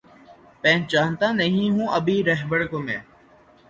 پہچانتا نہیں ہوں ابھی راہبر کو میں